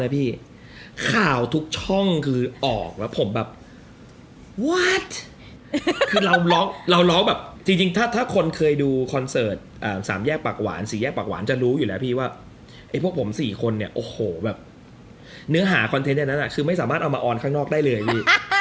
พี่จังหวัดเชื่อไหมพี่ผมตื่นเช้ามานะพี่